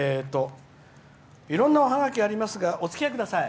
いろんなおハガキありますがおつきあいください。